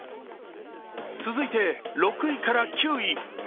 続いて６位から９位。